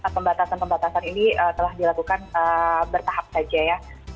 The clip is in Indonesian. pembatasan pembatasan ini telah dilakukan bertahap saja ya